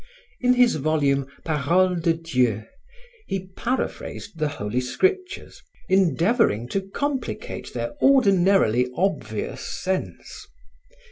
In his volume Paroles de Dieu, he paraphrased the Holy Scriptures, endeavoring to complicate their ordinarily obvious sense.